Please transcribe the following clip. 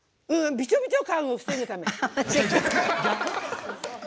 びちょびちょ感を防ぐため。